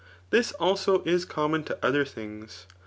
Thisi also, is common to other things.